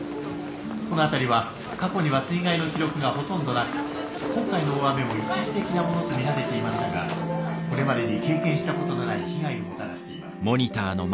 この辺りは過去には水害の記録がほとんどなく今回の大雨も一時的なものと見られていましたがこれまでに経験したことのない被害をもたらしています」。